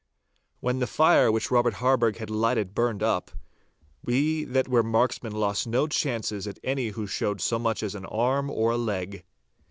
When the fire which Robert Harburgh had lighted burned up, we that were marksmen lost no chances at any who showed so much as an arm or a leg.